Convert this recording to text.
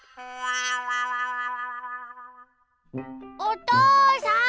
おとうさん！